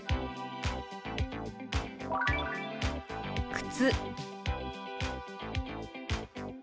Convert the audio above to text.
「靴」。